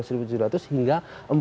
dan sudah disediakan